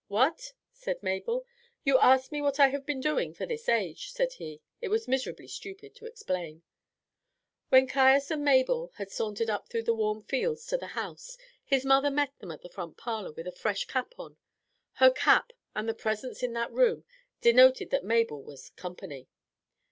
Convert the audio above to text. "What?" said Mabel. "You asked me what I had been doing for this age," said he. It was miserably stupid to explain. When Caius and Mabel had sauntered up through the warm fields to the house, his mother met them in the front parlour with a fresh cap on. Her cap, and her presence in that room, denoted that Mabel was company.